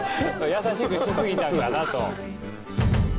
優しくし過ぎたんかなと。